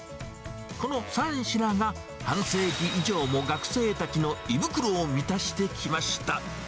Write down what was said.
この３品が半世紀以上も学生たちの胃袋を満たしてきました。